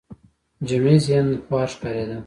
جمعي ذهن خوار ښکارېده